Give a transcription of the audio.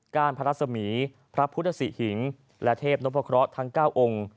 ้านพระรัศมีพระพุทธศิหิงและเทพนพเคราะห์ทั้ง๙องค์